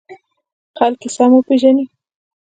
خلک یې سم وپېژني.